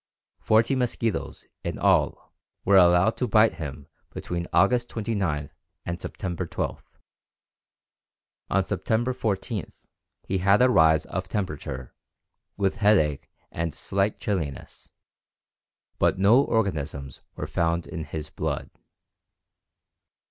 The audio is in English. Forty mosquitoes, in all, were allowed to bite him between August 29 and September 12. On September 14 he had a rise of temperature, with headache and slight chilliness, but no organisms were found in his blood.